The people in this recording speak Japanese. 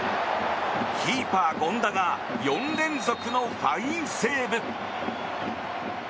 キーパー、権田が４連続のファインセーブ。